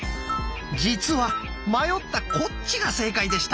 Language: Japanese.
実は迷ったこっちが正解でした。